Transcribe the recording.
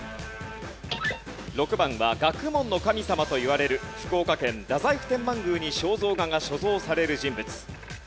６番は学問の神様といわれる福岡県太宰府天満宮に肖像画が所蔵される人物。